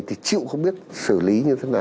thì chịu không biết xử lý như thế nào